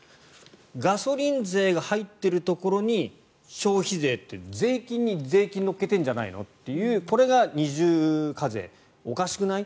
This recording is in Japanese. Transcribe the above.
ガソリン税が入っているところに消費税というのが税金に税金を乗っけてるんじゃないのというこれが二重課税おかしくない？